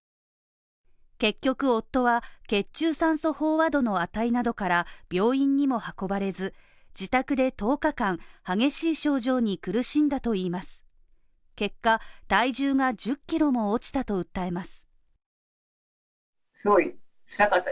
結局夫は血中酸素飽和度の値などから病院にも運ばれず自宅で１０日間激しい症状に苦しんだといいます結果体重が１０キロも落ちたと訴えます